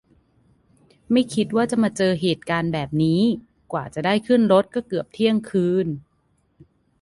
ไม่คิดว่าจะมาเจอเหตุการณ์แบบนี้ กว่าจะได้ขึ้นรถก็เกือบเที่ยงคืน